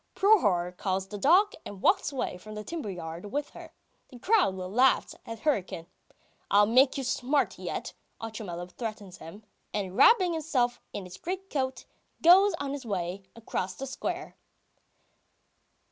Prohor calls the dog, and walks away from the timber yard with her. The crowd laughs at Hryukin. "I'll make you smart yet!" Otchumyelov threatens him, and wrapping himself in his greatcoat, goes on his way across the square.